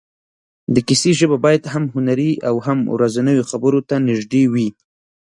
د کیسې ژبه باید هم هنري او هم ورځنیو خبرو ته نږدې وي.